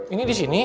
ini di sini